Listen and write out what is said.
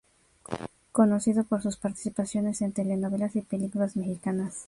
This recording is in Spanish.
Conocido por sus participaciones en Telenovelas y Películas mexicanas.